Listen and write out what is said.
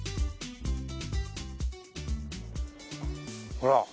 ほら。